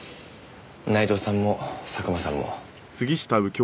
内藤さんも佐久間さんも。